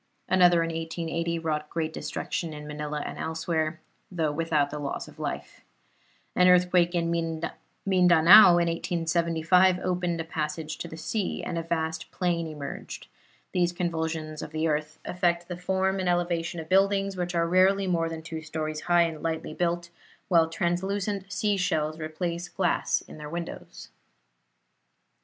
Another in 1880 wrought great destruction in Manila and elsewhere, though without loss of life. An earthquake in Mindanao in 1675 opened a passage to the sea, and a vast plain emerged. These convulsions of the earth affect the form and elevation of buildings, which are rarely more than two stories high and lightly built, while translucent sea shells replace glass in their windows.